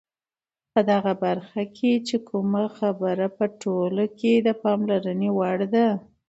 په دغه برخه کې چې کومه خبره په ټوله کې د پاملرنې وړ ده،